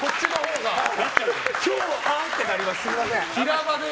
今日は「あ゛ぁっ！」ってなります。